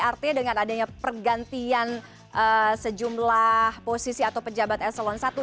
artinya dengan adanya pergantian sejumlah posisi atau pejabat eselon i